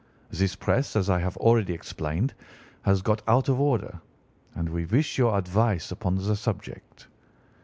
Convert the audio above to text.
This press, as I have already explained, has got out of order, and we wish your advice upon the subject.